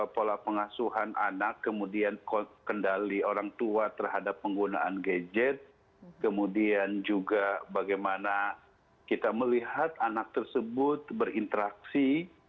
pola pengasuhan anak kemudian kendali orang tua terhadap penggunaan gadget kemudian juga bagaimana kita melihat anak tersebut berinteraksi